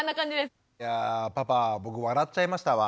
いやパパ僕笑っちゃいましたわ。